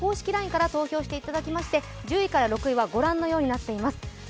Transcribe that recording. ＬＩＮＥから投票していただきまして１０位から６位はご覧のようになっています。